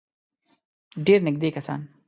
ډېر نېږدې کسان.